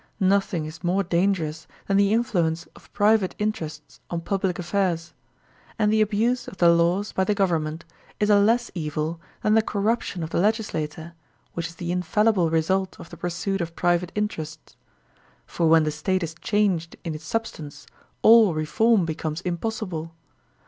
Nothing is more danger ous than the influence of private interests on public affairs; and the abuse of the laws by the government is a less evil than the corruption of the legislator, which is the infallible result of the pursuit of private interests. For when the State is changed in its substance all reform becomes impossible.